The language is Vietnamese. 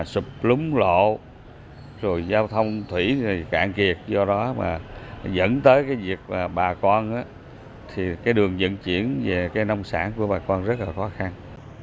sụt lún lộ rồi giao thông thủy cạn kiệt do đó dẫn tới việc bà con đường dẫn chuyển về nông sản của bà con rất khó khăn